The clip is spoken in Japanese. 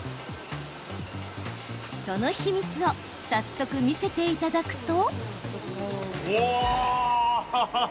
その秘密を早速、見せていただくと。